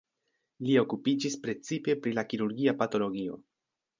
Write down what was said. Li okupiĝis precipe pri la kirurgia patologio.